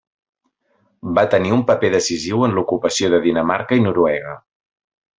Va tenir un paper decisiu en l'ocupació de Dinamarca i Noruega.